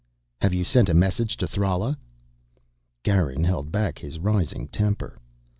"Have you sent a message to Thrala?" Garin held back his rising temper.